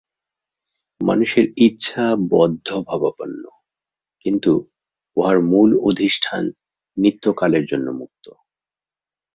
মানুষের ইচ্ছা বদ্ধভাবাপন্ন, কিন্তু উহার মূল অধিষ্ঠান নিত্যকালের জন্য মুক্ত।